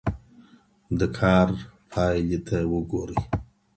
د کار پایلې ته وګورئ.